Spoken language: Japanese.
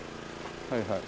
はいはい。